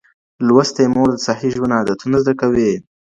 لوستې مور د صحي ژوند عادتونه زده کوي.